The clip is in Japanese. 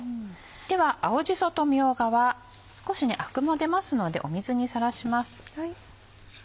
では青じそとみょうがは少しアクも出ますので水にさらします。